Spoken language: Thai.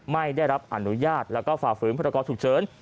ไม่ได้รับอนุญาตแล้วก็ฝ่าฝืนพรกรฉุกเฉิน